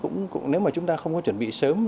nếu mà chúng ta không có chuẩn bị sớm